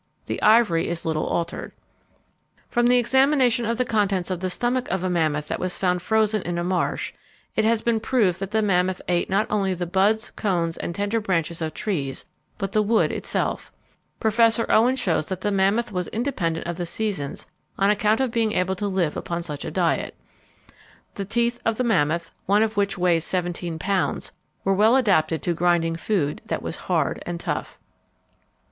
The ivory is little altered. From the examination of the contents of the stomach of a mammoth that was found frozen in a marsh it has been proved that the mammoth ate not only the buds, cones, and tender branches of trees, but the wood itself. Professor Owen shows that the mammoth was independent of the seasons on account of being able to live upon such a diet. The teeth of the mammoth, one of which weighs seventeen pounds, were well adapted to grinding food that was hard and tough.